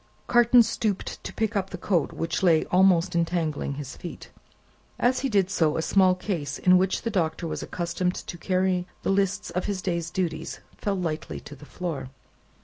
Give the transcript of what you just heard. Carton stooped to pick up the coat, which lay almost entangling his feet. As he did so, a small case in which the Doctor was accustomed to carry the lists of his day's duties, fell lightly on the floor.